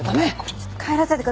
ちょっと帰らせてください。